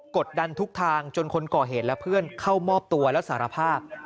กดดันทุกทางจนคนก่อเหตุและเพื่อนเข้ามอบตัวแล้วสารภาพ